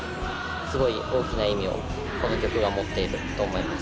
すごい大きな意味をこの曲が持っていると思います。